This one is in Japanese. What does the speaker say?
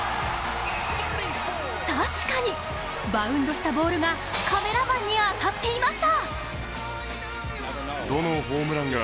確かに、バウンドしたボールがカメラマンに当たっていました。